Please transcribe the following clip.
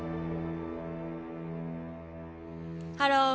ハロー。